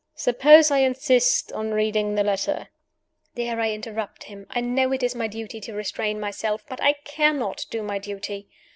"Suppose I insist on reading the letter ?" There I interrupt him. I know it is my duty to restrain myself. But I cannot do my duty.